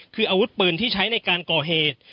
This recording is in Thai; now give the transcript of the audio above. คืออาวุธปืนที่ใช้ในการก่อเหตุ